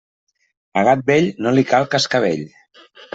A gat vell, no li cal cascavell.